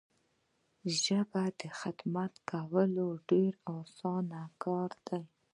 د ژبي خدمت کول ډیر اسانه کار دی.